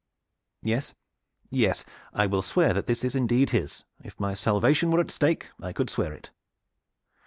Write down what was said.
Yes, yes, I will swear that this is indeed his. If my salvation were at stake I could swear it."